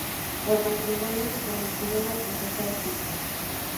Por matrimonio se convirtió en una princesa egipcia.